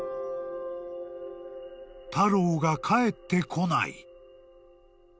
［タローが帰ってこない］